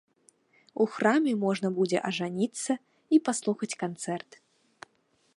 У храме можна будзе ажаніцца і паслухаць канцэрт.